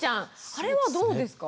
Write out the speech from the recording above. あれはどうですか。